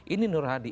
ini nur hadi